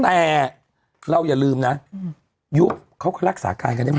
แต่เราอย่าลืมนะยุคเขาก็รักษาการกันได้หมด